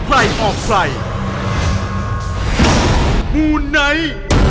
แบบจ้างไหน